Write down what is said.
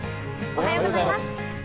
おはようございます。